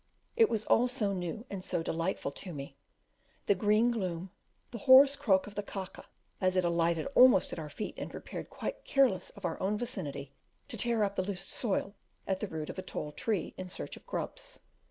It was all so new and so delightful to me, the green gloom, the hoarse croak of the ka ka, as it alighted almost at our feet and prepared, quite careless of our vicinity, to tear up the loose soil at the root of a tall tree, in search of grubs.